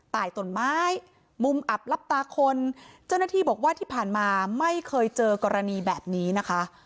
ตายตนไม้มุมอับลับตาคนเจ้าหน้าที่บอกว่าที่ผ่านมาไม่เคยเจอกรณีแบบนี้นะคะ